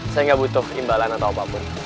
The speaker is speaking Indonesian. saya nggak butuh imbalan atau apapun